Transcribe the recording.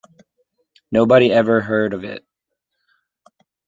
Nobody ever heard of it.